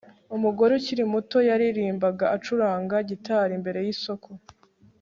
umugore ukiri muto yaririmbaga acuranga gitari imbere yisoko